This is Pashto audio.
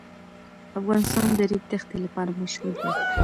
افغانستان د د ریګ دښتې لپاره مشهور دی.